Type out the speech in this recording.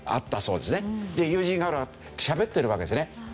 で友人がしゃべってるわけですね。